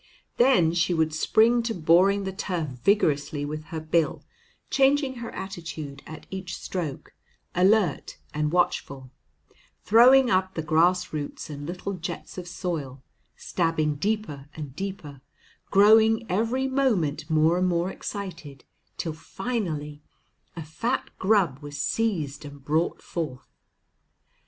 Then she would spring to boring the turf vigorously with her bill, changing her attitude at each stroke, alert and watchful, throwing up the grass roots and little jets of soil, stabbing deeper and deeper, growing every moment more and more excited, till finally a fat grub was seized and brought forth.